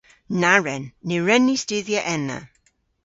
Na wren. Ny wren ni studhya ena.